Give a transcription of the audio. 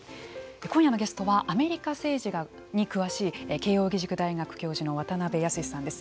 今夜のゲストはアメリカ政治に詳しい慶應義塾大学教授の渡辺靖さんです。